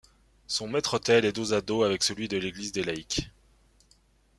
Son maître-autel est dos à dos avec celui de l'église des laïcs.